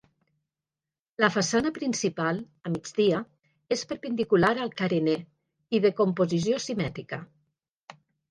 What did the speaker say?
La façana principal, a migdia, és perpendicular al carener i de composició simètrica.